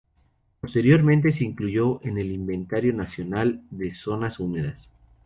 Posteriormente se incluyó en el Inventario Nacional de Zonas Húmedas.